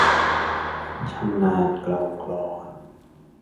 ชำนาญเกลากลอน